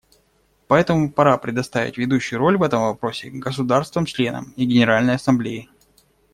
Поэтому пора предоставить ведущую роль в этом вопросе государствам-членам и Генеральной Ассамблее.